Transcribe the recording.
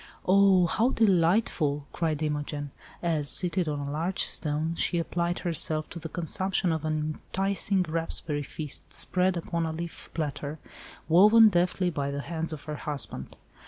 "Oh! how delightful," cried Imogen, as, seated on a large stone she applied herself to the consumption of an enticing raspberry feast spread upon a leaf platter, woven deftly by the hands of her husband.